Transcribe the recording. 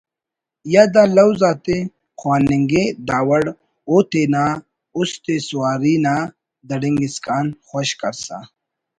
یا دا لوز آتے خواننگے داوڑ اوتینا است ءِ سواری نا دڑنگ اسکان خوش کرسا